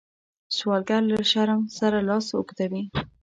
سوالګر له شرم سره لاس اوږدوي